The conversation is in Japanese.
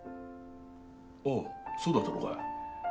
おおそうだったのか。